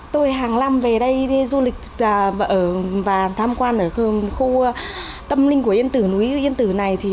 tôi hàng năm về đây du lịch và tham quan ở khu tâm linh của yên tử núi yên tử này